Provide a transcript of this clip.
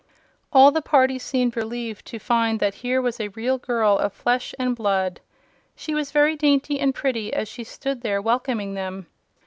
All the party seemed relieved to find that here was a real girl, of flesh and blood. She was very dainty and pretty as she stood there welcoming them.